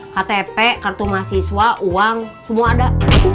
ktp kartu mahasiswa uang semua ada